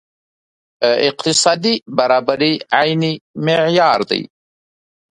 اقتصادي برابري عیني معیار دی.